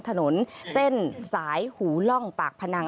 ถนนเส้นสายหูล่องปากพนัง